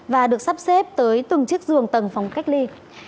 và được sắp xếp tới từng chiếc giường tầng phòng cách ly